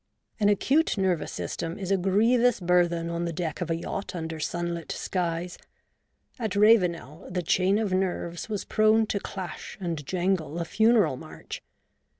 An acute 130 A BOOK OF BARGAINS, nervous system is a grievous burthen on the deck of a yacht under sunlit skies : at Ravenel the chain of nerves was prone to clash and jangle a funeral march.